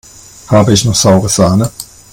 Habe ich noch saure Sahne?